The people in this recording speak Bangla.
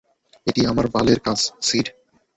এটা আমার বালের কাজ, সিড!